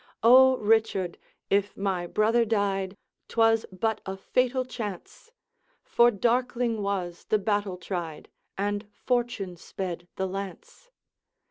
'O Richard! if my brother died, 'T was but a fatal chance; For darkling was the battle tried, And fortune sped the lance.